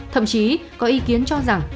thậm chí có ý kiến cho rằng